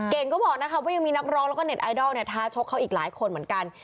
เก่งก็บอกนะคะว่ายังมีนักร้องแล้วก็เน็ตไอดอลท้าชกเขาอีกหลายคนเหมือนกัน